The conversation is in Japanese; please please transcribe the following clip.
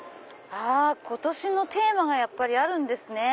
あっ今年のテーマがやっぱりあるんですね。